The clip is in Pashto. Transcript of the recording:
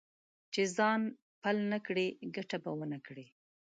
چې ځان پل نه کړې؛ ګټه به و نه کړې.